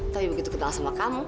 tapi begitu ketahuan sama kamu